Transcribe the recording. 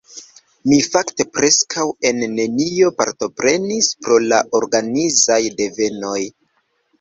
Mi fakte preskaŭ en nenio partoprenis pro la organizaj devoj.